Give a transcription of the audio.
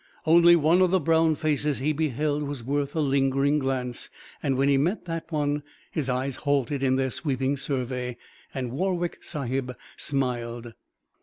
Only one of the brown faces he beheld was worth a lingering glance. And when he met that one his eyes halted in their sweeping survey and Warwick Sahib smiled.